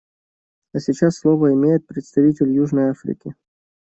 А сейчас слово имеет представитель Южной Африки.